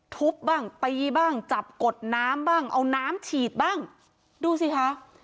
ทุบบ้างตีบ้างจับกดน้ำบ้างเอาน้ำฉีดบ้างดูสิคะ